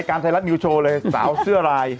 คุณพ่อร้องไงอืม